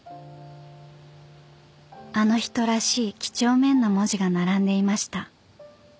［あの人らしいきちょうめんな文字が並んでいました］